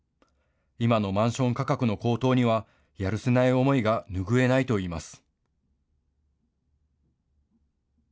今のマンション価格の高騰にはやるせない思いが拭えないといいます。